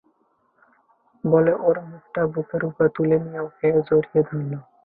বলে ওর মুখটা বুকের উপর তুলে নিয়ে ওকে জড়িয়ে ধরল।